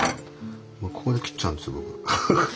もうここで切っちゃうんです僕。